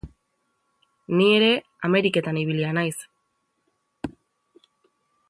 Ni ere Ameriketan ibilia naiz.